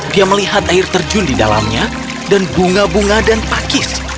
dia melihat air terjun di dalamnya dan bunga bunga dan pakis